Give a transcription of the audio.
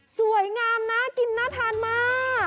สวยงามน่ากินน่าทานมาก